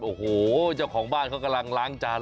โอ้โหเจ้าของบ้านเขากำลังล้างจาน